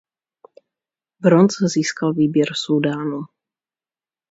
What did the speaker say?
Bronz získal výběr Súdánu.